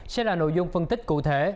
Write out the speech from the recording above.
sẽ là nội dung phân tích cụ thể